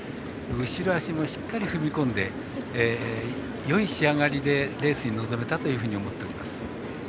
後ろ脚もしっかり踏み込んでよい仕上がりでレースに臨めたというふうに思っております。